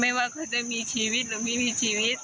ว่าเขาจะมีชีวิตหรือไม่มีชีวิต